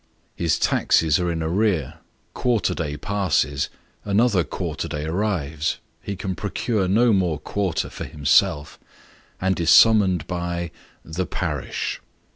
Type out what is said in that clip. His taxes are in arrear, quarter day passes by, another quarter day arrives : ho can procure no more quarter for himself, and is summoned by the parish.